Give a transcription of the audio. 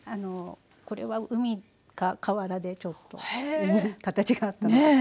これは海か河原でちょっといい形があったので。